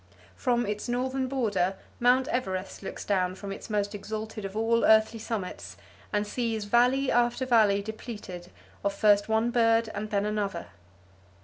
From its northern border Mt. Everest looks down from its most exalted of all earthly summits and sees valley after valley depleted of first one bird and then another.